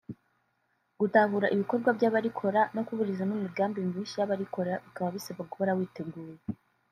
gutahura ibikorwa by’abarikora no kuburizamo imigambi mibisha y’abarikora bikaba bisaba guhora witeguye